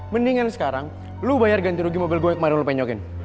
mendingan sekarang lo bayar ganti rugi mobil gue yang kemarin lo pengen nyokin